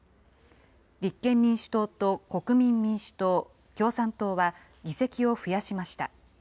立憲民主党と国民民主党、共産党は議席を増やしました。